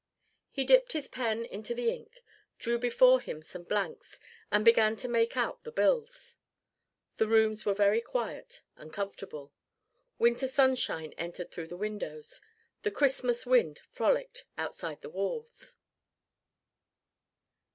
He dipped his pen into the ink, drew before him some blanks, and began to make out the bills. The rooms were very quiet and comfortable; winter sunshine entered through the windows; the Christmas wind frolicked outside the walls.